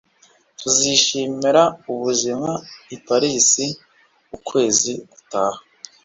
tuzishimira ubuzima i paris ukwezi gutaha